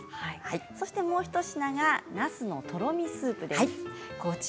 そして、もう１つがなすのとろみスープです。